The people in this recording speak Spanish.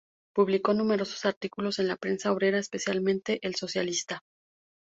Publicó numerosos artículos en la prensa obrera, especialmente "El Socialista".